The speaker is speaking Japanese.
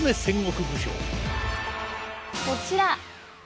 こちら。